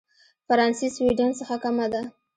فرانسې سوېډن څخه کمه ده.